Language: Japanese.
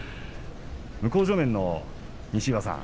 向正面の西岩さん